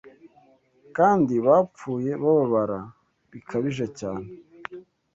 kandi bapfuye bababara bikabije cyane